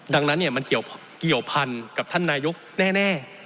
ดังนั้นมันเกี่ยวพันกับท่านนายกแน่